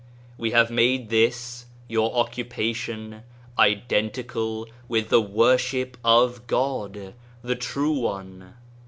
We have made this, your occupa tion, identical with the worship of God, the True One."